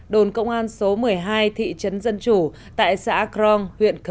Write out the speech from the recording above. đồn công an số một mươi hai thị trấn dân chủ tại xã kron huyện kran